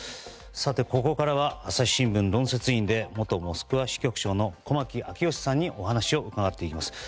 ここからは朝日新聞論説委員で元モスクワ支局長の駒木明義さんにお話を伺っていきます。